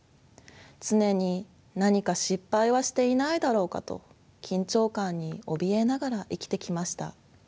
常に「何か失敗はしていないだろうか」と緊張感におびえながら生きてきました。